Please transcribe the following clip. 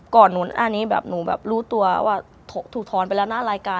อันนี้แบบหนูแบบรู้ตัวว่าถูกทอนไปแล้วหน้ารายการ